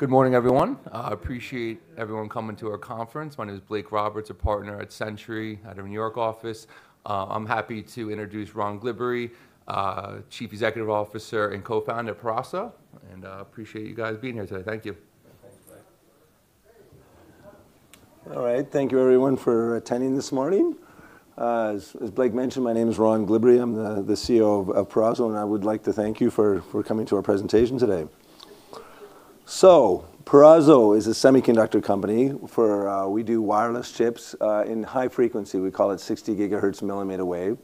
Good morning, everyone. I appreciate everyone coming to our conference. My name is Blake Roberts, a Partner at Centri out of the New York office. I'm happy to introduce Ron Glibbery, Chief Executive Officer and Co-founder of Peraso. Appreciate you guys being here today. Thank you. All right. Thank you everyone for attending this morning. As Blake mentioned, my name is Ron Glibbery. I'm the CEO of Peraso, and I would like to thank you for coming to our presentation today. Peraso is a semiconductor company. We do wireless chips in high frequency. We call it 60 GHz mm wave.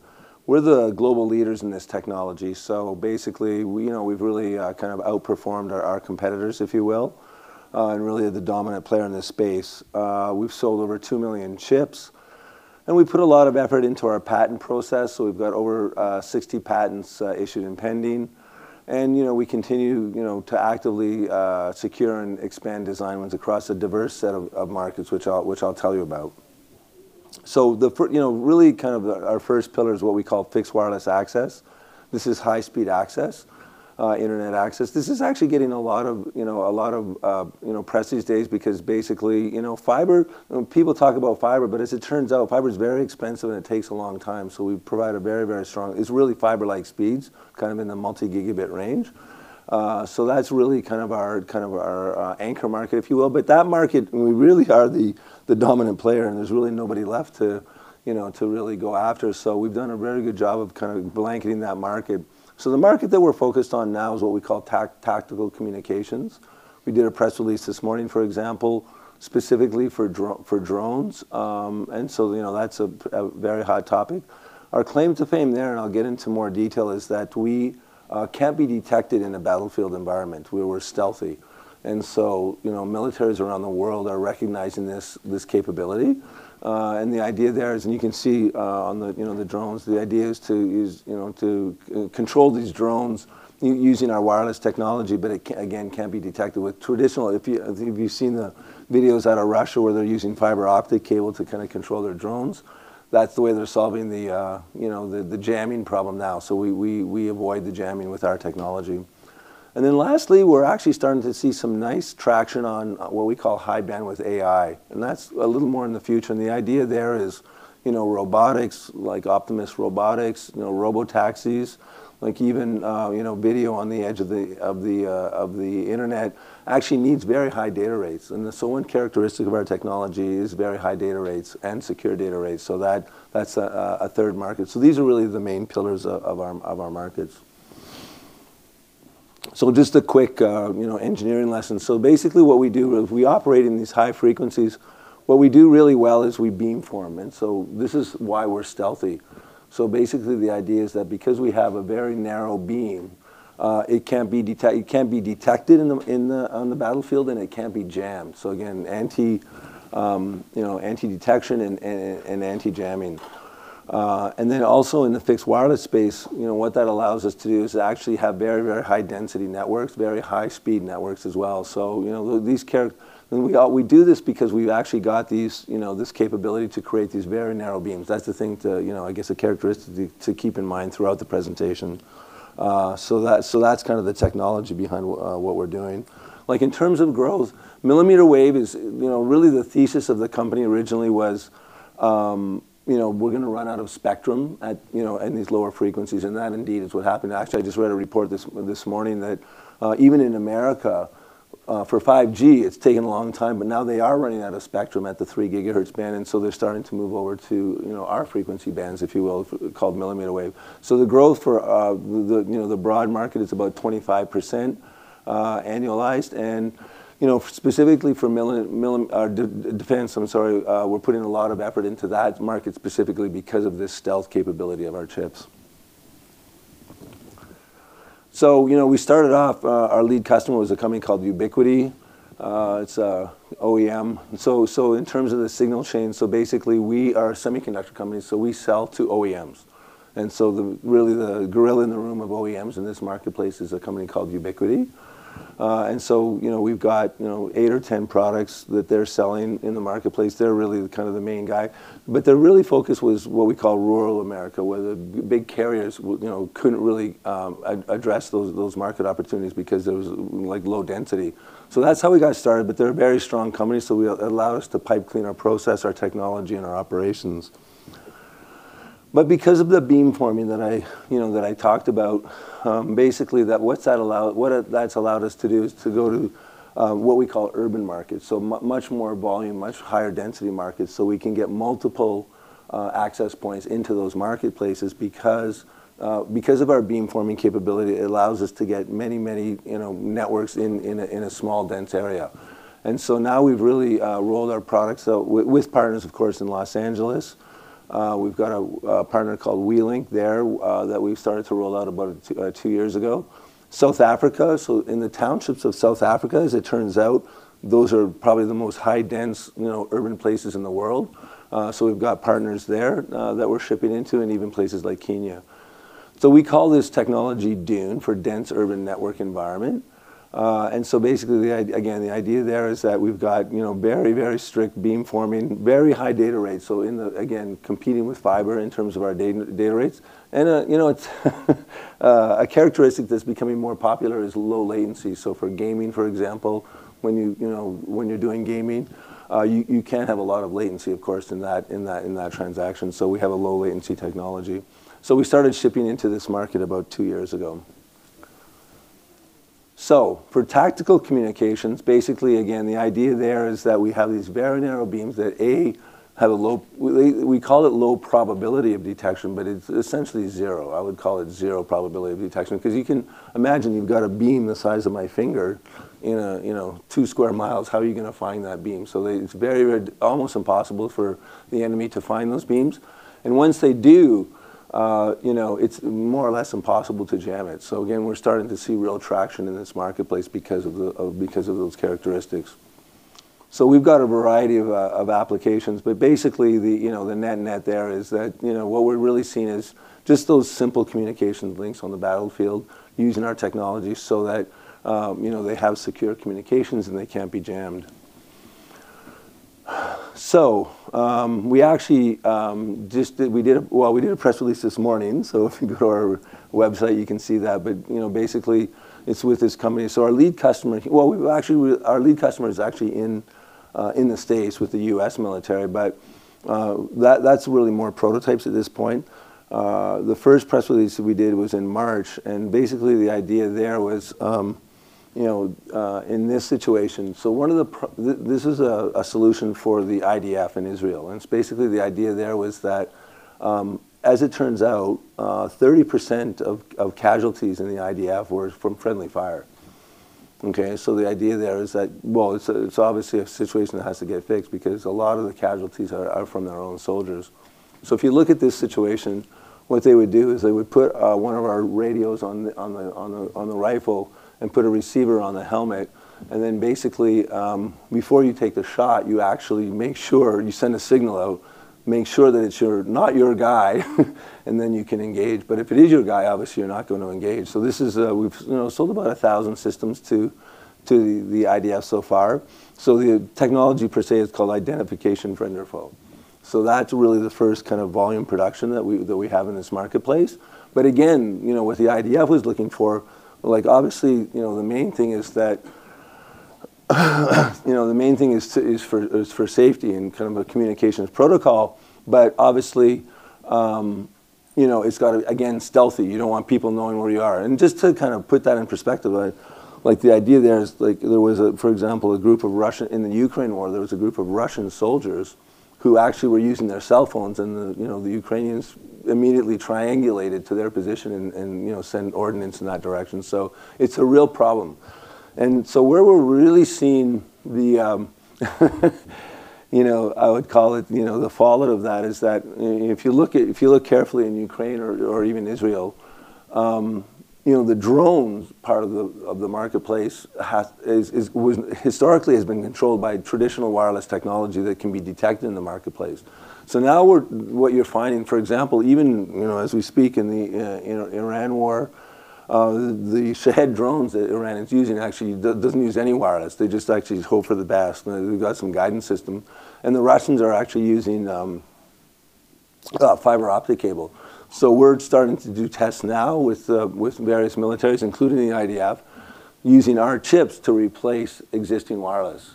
We're the global leaders in this technology. Basically, we've really outperformed our competitors, if you will, and really are the dominant player in this space. We've sold over 2 million chips, and we put a lot of effort into our patent process. We've got over 60 patents issued and pending. We continue to actively secure and expand design wins across a diverse set of markets, which I'll tell you about. Really our first pillar is what we call fixed wireless access. This is high-speed access, internet access. This is actually getting a lot of press these days because basically, people talk about fiber, but as it turns out, fiber is very expensive and it takes a long time. It's really fiber-like speeds, kind of in the multi-gigabit range. That's really our anchor market, if you will. That market, we really are the dominant player, and there's really nobody left to really go after. We've done a very good job of kind of blanketing that market. The market that we're focused on now is what we call tactical communications. We did a press release this morning, for example, specifically for drones. That's a very hot topic. Our claim to fame there, and I'll get into more detail, is that we can't be detected in a battlefield environment. We're stealthy. Militaries around the world are recognizing this capability. The idea there is, and you can see on the drones, the idea is to control these drones using our wireless technology, but it, again, can't be detected with traditional. If you've seen the videos out of Russia where they're using fiber optic cable to kind of control their drones, that's the way they're solving the jamming problem now. We avoid the jamming with our technology. Lastly, we're actually starting to see some nice traction on what we call high bandwidth AI, and that's a little more in the future. The idea there is, robotics like Optimus Robotics, robotaxis, like even video on the edge of the internet actually needs very high data rates. One characteristic of our technology is very high data rates and secure data rates. That's a third market. These are really the main pillars of our markets. Just a quick engineering lesson. Basically what we do is we operate in these high frequencies. What we do really well is we beamform. This is why we're stealthy. Basically the idea is that because we have a very narrow beam, it can't be detected on the battlefield, and it can't be jammed. Again, anti-detection and anti-jamming. Also in the fixed wireless space, what that allows us to do is to actually have very, very high-density networks, very high-speed networks as well. We do this because we've actually got this capability to create these very narrow beams. That's, I guess, a characteristic to keep in mind throughout the presentation. That's kind of the technology behind what we're doing. In terms of growth, millimeter wave is really the thesis of the company originally was, we're going to run out of spectrum at these lower frequencies, and that indeed is what happened. Actually, I just read a report this morning that, even in America, for 5G, it's taken a long time, but now they are running out of spectrum at the 3 GHz band, and so they're starting to move over to our frequency bands, if you will, called millimeter wave. The growth for the broad market is about 25%, annualized. Specifically for defense, we're putting a lot of effort into that market specifically because of the stealth capability of our chips. We started off, our lead customer was a company called Ubiquiti. It's a OEM. In terms of the signal chain, so basically we are a semiconductor company, so we sell to OEMs. Really the gorilla in the room of OEMs in this marketplace is a company called Ubiquiti. We've got eight or 10 products that they're selling in the marketplace. They're really kind of the main guy. Their really focus was what we call rural America, where the big carriers couldn't really address those market opportunities because it was low density. That's how we got started, but they're a very strong company, so it allowed us to pipe clean our process, our technology, and our operations. Because of the beamforming that I talked about, basically what that's allowed us to do is to go to what we call urban markets, so much more volume, much higher density markets, so we can get multiple access points into those marketplaces. Because of our beamforming capability, it allows us to get many networks in a small, dense area. Now we've really rolled our products out with partners, of course, in Los Angeles. We've got a partner called WeLink there, that we've started to roll out about two years ago. South Africa, so in the townships of South Africa, as it turns out, those are probably the most high dense urban places in the world. We've got partners there, that we're shipping into and even places like Kenya. We call this technology DUNE for Dense Urban Network Environment. Basically, again, the idea there is that we've got very strict beamforming, very high data rates, again, competing with fiber in terms of our data rates. A characteristic that's becoming more popular is low latency. For gaming, for example, when you're doing gaming, you can't have a lot of latency, of course, in that transaction. We have a low latency technology. We started shipping into this market about two years ago. For tactical communications, basically, again, the idea there is that we have these very narrow beams that, A, we call it low probability of detection, but it's essentially zero. I would call it zero probability of detection because you can imagine you've got a beam the size of my finger in 2 sq mi. How are you going to find that beam? It's almost impossible for the enemy to find those beams. Once they do, it's more or less impossible to jam it. Again, we're starting to see real traction in this marketplace because of those characteristics. We've got a variety of applications, but basically, the net there is that what we're really seeing is just those simple communications links on the battlefield using our technology so that they have secure communications and they can't be jammed. We did a press release this morning, so if you go to our website, you can see that. Basically, it's with this company. Well, our lead customer is actually in the States with the US military, but that's really more prototypes at this point. The first press release we did was in March, and basically, the idea there was, in this situation, this is a solution for the IDF in Israel, and it's basically the idea there was that, as it turns out, 30% of casualties in the IDF were from friendly fire. Okay? Well, it's obviously a situation that has to get fixed because a lot of the casualties are from their own soldiers. If you look at this situation, what they would do is they would put one of our radios on the rifle and put a receiver on the helmet, and then basically, before you take the shot, you send a signal out, make sure that it's not your guy, and then you can engage. If it is your guy, obviously, you're not going to engage. We've sold about a thousand systems to the IDF so far. The technology per se is called Identification Friend or Foe. That's really the first volume production that we have in this marketplace. Again, what the IDF was looking for, obviously, the main thing is for safety and a communications protocol. Obviously, it's got to, again, stealthy. You don't want people knowing where you are. Just to put that in perspective, the idea there is, in the Ukraine war, there was a group of Russian soldiers who actually were using their cell phones, and the Ukrainians immediately triangulated to their position and sent ordnance in that direction. It's a real problem. Where we're really seeing the, I would call it, the fallout of that is that if you look carefully in Ukraine or even Israel, the drones part of the marketplace historically has been controlled by traditional wireless technology that can be detected in the marketplace. Now what you're finding, for example, even as we speak in the Iran war, the Shahed drones that Iran is using actually doesn't use any wireless. They just actually hope for the best. They've got some guidance system. The Russians are actually using fiber optic cable. We're starting to do tests now with various militaries, including the IDF, using our chips to replace existing wireless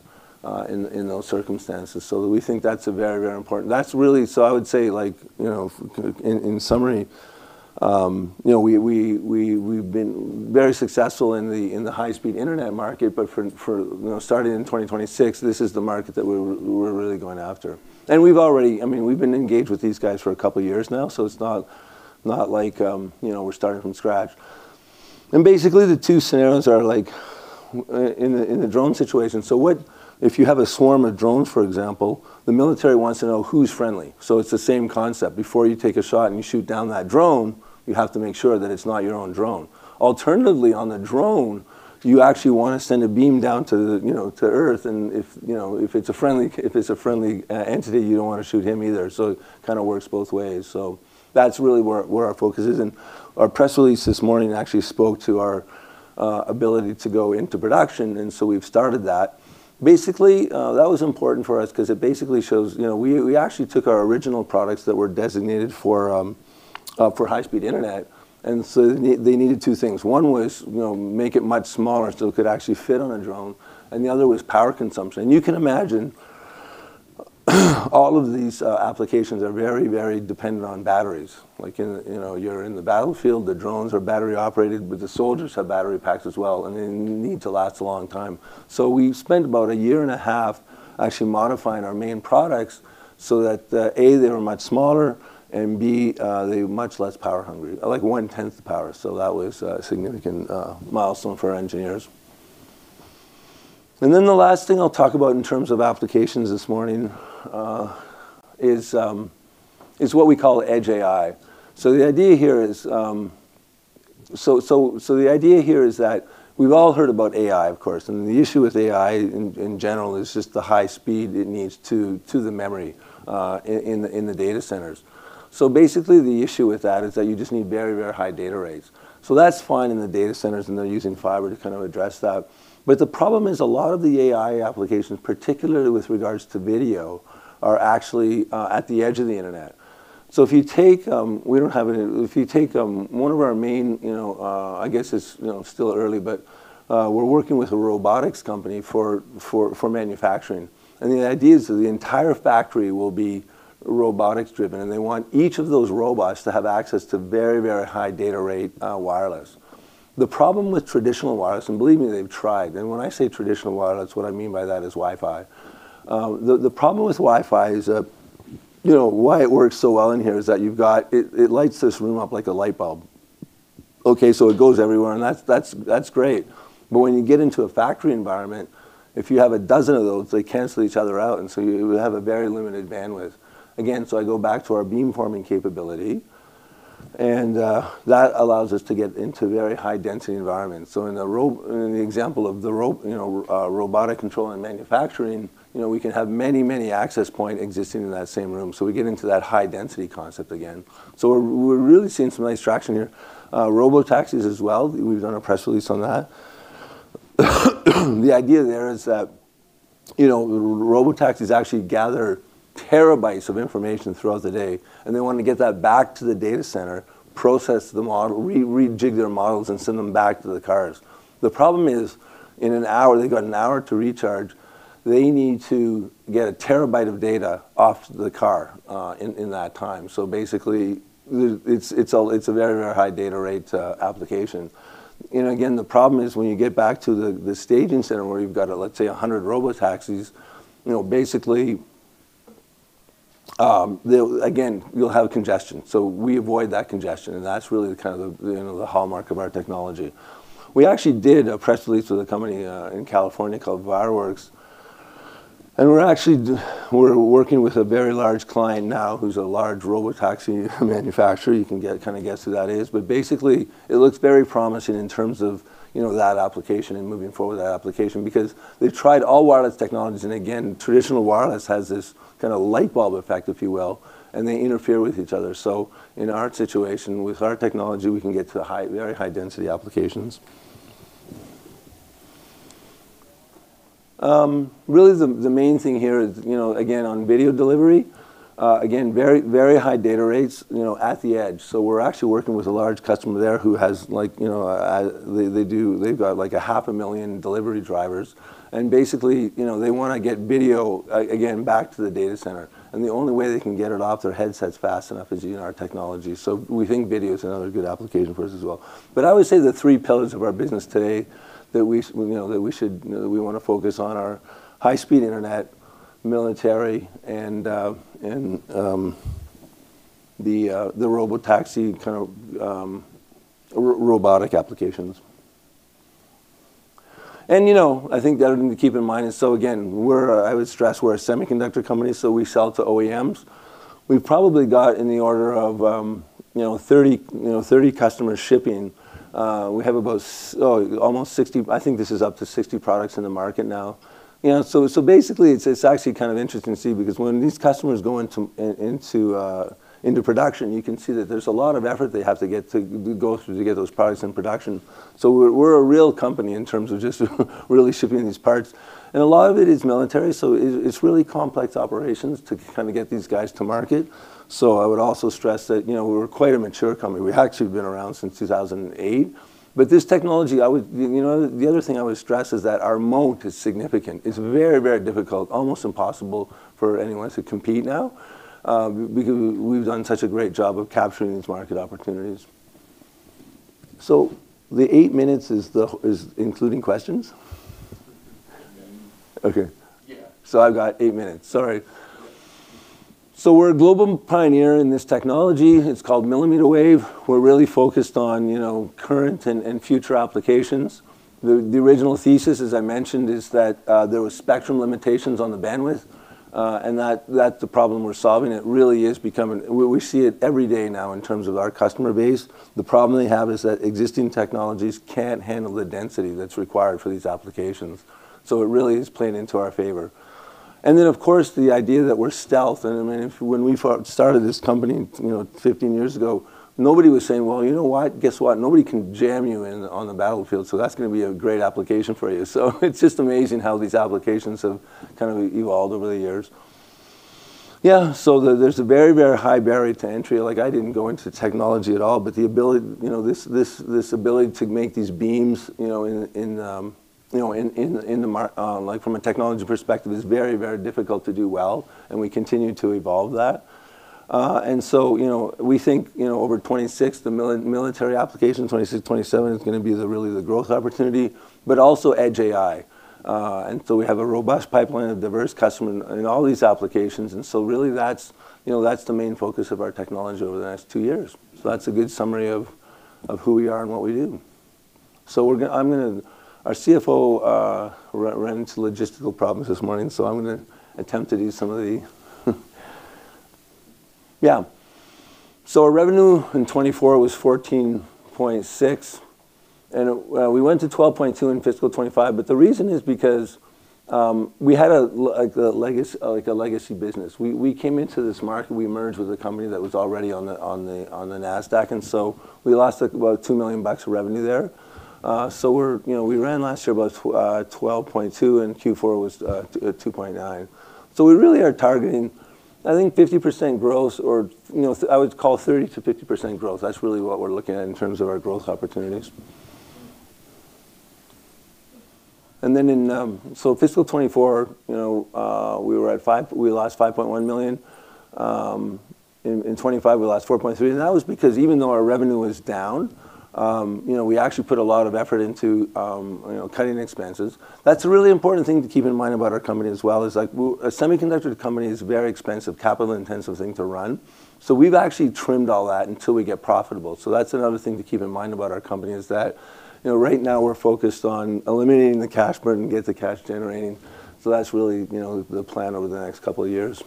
in those circumstances. We think that's very important. I would say, in summary, we've been very successful in the high-speed internet market, but starting in 2026, this is the market that we're really going after. We've been engaged with these guys for a couple of years now, so it's not like we're starting from scratch. Basically, the two scenarios are in the drone situation. If you have a swarm of drones, for example, the military wants to know who's friendly. It's the same concept. Before you take a shot and you shoot down that drone, you have to make sure that it's not your own drone. Alternatively, on the drone, you actually want to send a beam down to Earth, and if it's a friendly entity, you don't want to shoot him either. It kind of works both ways. That's really where our focus is. Our press release this morning actually spoke to our ability to go into production, and so we've started that. Basically, that was important for us because it basically shows we actually took our original products that were designated for high-speed internet, and so they needed two things. One was make it much smaller so it could actually fit on a drone, and the other was power consumption. You can imagine all of these applications are very dependent on batteries. You're in the battlefield, the drones are battery operated, but the soldiers have battery packs as well, and they need to last a long time. We spent about a year and a half actually modifying our main products so that, A, they were much smaller, and B, they're much less power hungry, like one-tenth the power. That was a significant milestone for our engineers. The last thing I'll talk about in terms of applications this morning is what we call Edge AI. The idea here is that we've all heard about AI, of course, and the issue with AI in general is just the high speed it needs to the memory in the data centers. Basically, the issue with that is that you just need very, very high data rates. That's fine in the data centers, and they're using fiber to kind of address that. The problem is a lot of the AI applications, particularly with regards to video, are actually at the edge of the Internet. If you take one of our main, I guess it's still early, but we're working with a robotics company for manufacturing. The idea is that the entire factory will be robotics-driven, and they want each of those robots to have access to very, very high data rate wireless. The problem with traditional wireless, and believe me, they've tried, and when I say traditional wireless, what I mean by that is Wi-Fi. The problem with Wi-Fi is why it works so well in here is that it lights this room up like a light bulb. Okay, it goes everywhere, and that's great. When you get into a factory environment, if you have a dozen of those, they cancel each other out, and so you have a very limited bandwidth. Again, I go back to our beamforming capability, and that allows us to get into very high-density environments. In the example of the robotic control and manufacturing, we can have many access points existing in that same room. We get into that high-density concept again. We're really seeing some nice traction here, robotaxis as well. We've done a press release on that. The idea there is that robotaxis actually gather terabytes of information throughout the day, and they want to get that back to the data center, process the model, rejig their models, and send them back to the cars. The problem is, in an hour, they've got an hour to recharge. They need to get a terabyte of data off the car in that time. Basically, it's a very, very high data rate application. Again, the problem is when you get back to the staging center where you've got, let's say, 100 robotaxis, basically, again, you'll have congestion. We avoid that congestion, and that's really the hallmark of our technology. We actually did a press release with a company in California called Virewirx. We're working with a very large client now who's a large robotaxi manufacturer. You can kind of guess who that is. Basically, it looks very promising in terms of that application and moving forward with that application, because they've tried all wireless technologies, and again, traditional wireless has this kind of light bulb effect, if you will, and they interfere with each other. In our situation, with our technology, we can get to very high-density applications. Really, the main thing here is, again, on video delivery, again, very high data rates at the edge. We're actually working with a large customer there. They've got like a half a million delivery drivers, and basically, they want to get video, again, back to the data center. The only way they can get it off their headsets fast enough is using our technology. We think video is another good application for us as well. I would say the three pillars of our business today that we want to focus on are high-speed Internet, military, and the robotaxi kind of robotic applications. I think the other thing to keep in mind is, so again, I would stress we're a semiconductor company, so we sell to OEMs. We've probably got in the order of 30 customers shipping. We have almost 60. I think this is up to 60 products in the market now. Basically, it's actually kind of interesting to see because when these customers go into production, you can see that there's a lot of effort they have to go through to get those products in production. We're a real company in terms of just really shipping these parts. A lot of it is military, so it's really complex operations to kind of get these guys to market. I would also stress that we're quite a mature company. We've actually been around since 2008. This technology, the other thing I would stress is that our moat is significant. It's very, very difficult, almost impossible for anyone to compete now, because we've done such a great job of capturing these market opportunities. The eight minutes is including questions? Yeah. Okay. Yeah. I've got eight minutes. All right. We're a global pioneer in this technology. It's called millimeter wave. We're really focused on current and future applications. The original thesis, as I mentioned, is that there was spectrum limitations on the bandwidth, and that's the problem we're solving. We see it every day now in terms of our customer base. The problem they have is that existing technologies can't handle the density that's required for these applications. It really is playing into our favor. Of course, the idea that we're stealth, when we started this company 15 years ago, nobody was saying, well, you know what? Guess what? Nobody can jam you in on the battlefield, so that's going to be a great application for you. It's just amazing how these applications have kind of evolved over the years. Yeah. There's a very high barrier to entry. I didn't go into technology at all, but this ability to make these beams from a technology perspective is very difficult to do well, and we continue to evolve that. We think, over 2026, the military application, 2026-2027, is going to be really the growth opportunity, but also Edge AI. We have a robust pipeline of diverse customers in all these applications. Really that's the main focus of our technology over the next two years. That's a good summary of who we are and what we do. Our CFO ran into logistical problems this morning. Our revenue in 2024 was $14.6, and we went to $12.2 in fiscal 2025. The reason is because we had a legacy business. We came into this market, we merged with a company that was already on the Nasdaq, and so we lost about $2 million of revenue there. We ran last year about $12.2, and Q4 was at $2.9. We really are targeting, I think, 50% growth or I would call 30%-50% growth. That's really what we're looking at in terms of our growth opportunities. Fiscal 2024, we lost $5.1 million. In 2025, we lost $4.3 million, and that was because even though our revenue was down, we actually put a lot of effort into cutting expenses. That's a really important thing to keep in mind about our company as well is, a semiconductor company is a very expensive, capital-intensive thing to run. We've actually trimmed all that until we get profitable. That's another thing to keep in mind about our company is that right now we're focused on eliminating the cash burn and get the cash-generating. That's really the plan over the next couple of years.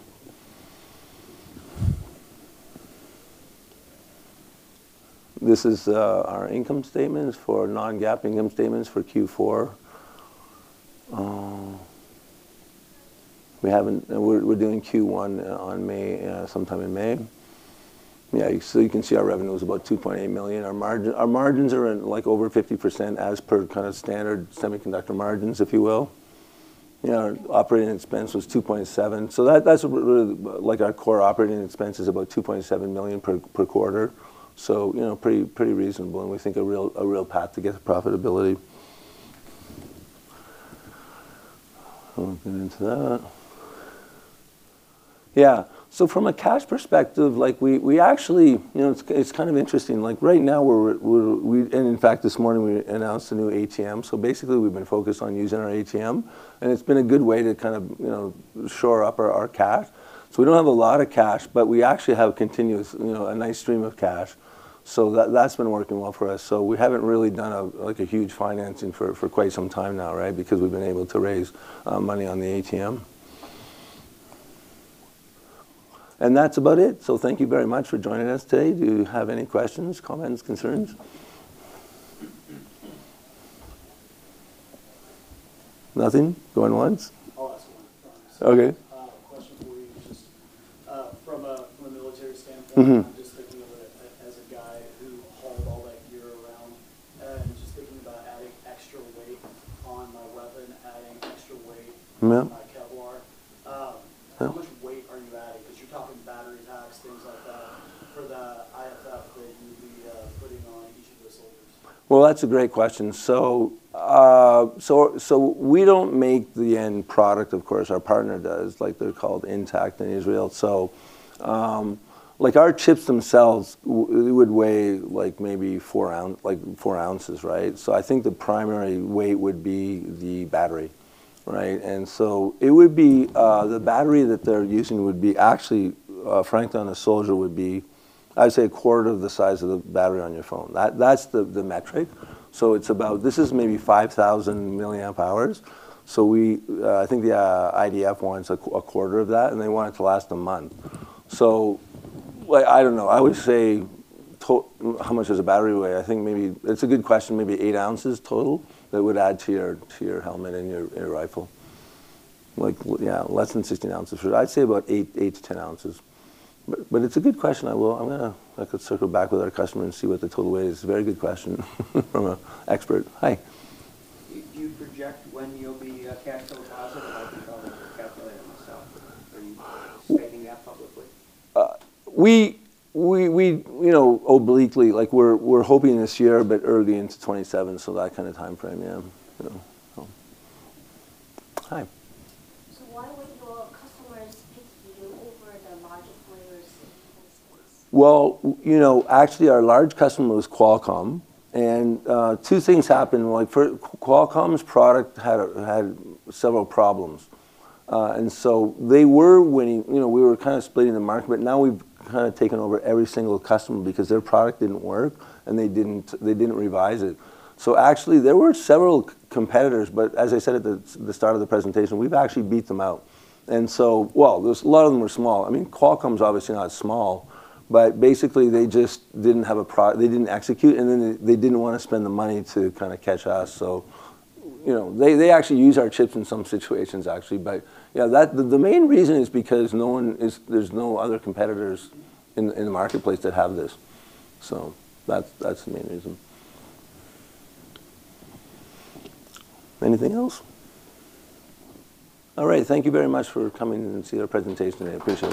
This is our income statements for non-GAAP income statements for Q4. We're doing Q1 sometime in May. Yeah, you can see our revenue was about $2.8 million. Our margins are at over 50% as per standard semiconductor margins, if you will. Our operating expense was $2.7 million. That's our core operating expense is about $2.7 million per quarter. Pretty reasonable and we think a real path to get profitability. Hop into that. Yeah. From a cash perspective, it's kind of interesting. In fact, this morning we announced a new ATM. Basically we've been focused on using our ATM, and it's been a good way to shore up our cash. We don't have a lot of cash, but we actually have a continuous, nice stream of cash. That's been working well for us. We haven't really done a huge financing for quite some time now, right, because we've been able to raise money on the ATM. That's about it, so thank you very much for joining us today. Do you have any questions, comments, concerns? Nothing? Going once. I'll ask one if I might. Okay. A question for you, just from a military standpoint. Mm-hmm I'm just thinking of it as a guy who hauled all that gear around, and just thinking about adding extra weight on my weapon. Yeah On my Kevlar, how much weight are you adding, because you're talking battery packs, things like that for the IFF that you'd be putting on each of the soldiers? Well, that's a great question. We don't make the end product, of course. Our partner does. They're called InTACT in Israel. Our chips themselves would weigh maybe 4 oz, right? I think the primary weight would be the battery, right? The battery that they're using would be actually, frankly, on a soldier, would be, I'd say, a quarter of the size of the battery on your phone. That's the metric. This is maybe 5,000 milliamp hours. I think the IDF wants a quarter of that, and they want it to last a month. I don't know. I would say, how much does a battery weigh? It's a good question. Maybe eight ounces total that would add to your helmet and your rifle. Yeah, less than 16 oz. I'd say about 8 oz-10 oz. It's a good question. I could circle back with our customer and see what the total weight is. Very good question from an expert. Hi. Do you project when you'll be cash flow positive? I can probably calculate it myself, but are you stating that publicly? Obliquely, we're hoping this year, but early into 2027, so that kind of timeframe, yeah. Hi. Why would your customers pick you over the larger players in this space? Well, actually our large customer was Qualcomm, and two things happened. One, Qualcomm's product had several problems. They were winning. We were splitting the market, but now we've taken over every single customer because their product didn't work and they didn't revise it. Actually, there were several competitors, but as I said at the start of the presentation, we've actually beat them out. Well, a lot of them are small. Qualcomm's obviously not small. Basically, they didn't execute, and then they didn't want to spend the money to catch us. They actually use our chips in some situations, actually. Yeah, the main reason is because there's no other competitors in the marketplace that have this. That's the main reason. Anything else? All right. Thank you very much for coming and seeing our presentation today. I appreciate it.